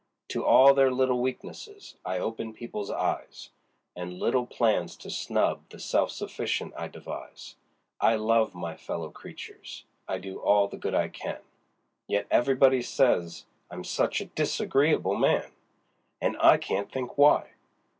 To all their little weaknesses I open people's eyes And little plans to snub the self sufficient I devise; I love my fellow creatures I do all the good I can Yet everybody say I'm such a disagreeable man! And I can't think why!